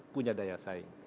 punya daya saing